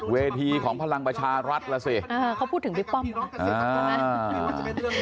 เวทีของพลังประชารัฐล่ะสิเขาพูดถึงบิ๊กป้อมเนอะ